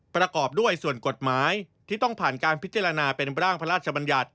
ประกอบด้วยส่วนกฎหมายที่ต้องผ่านการพิจารณาเป็นร่างพระราชบัญญัติ